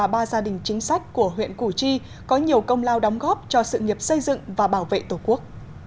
ba gia đình chính sách của huyện củ chi có nhiều công lao đóng góp cho sự nghiệp xây dựng và bảo vệ tổ quốc